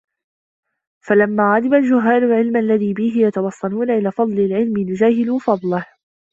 فَلَمَّا عَدِمَ الْجُهَّالُ الْعِلْمَ الَّذِي بِهِ يَتَوَصَّلُونَ إلَى فَضْلِ الْعِلْمِ جَهِلُوا فَضْلَهُ